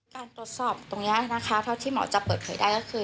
การตรวจสอบตรงนี้นะคะเท่าที่หมอจะเปิดเผยได้ก็คือ